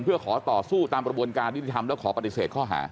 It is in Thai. เพื่อขอต่อสู้ตามกระบวนการยุติธรรมและขอปฏิเสธข้อหา